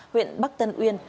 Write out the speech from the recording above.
huyện bắc tân uyên